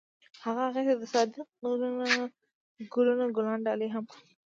هغه هغې ته د صادق ګلونه ګلان ډالۍ هم کړل.